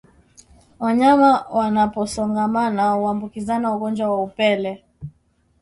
Wanyama wanaposongamana huambukizana ugonjwa wa upele